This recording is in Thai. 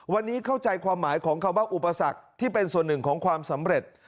วันนี้เข้าใจความหมายของคำว่าอุปสรรคที่เป็นส่วนหนึ่งของความสำเร็จ